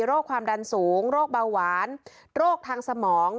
โรคความดันสูงโรคเบาหวานโรคทางสมอง